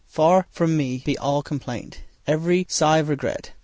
Far from me be all complaint, every sigh of regret.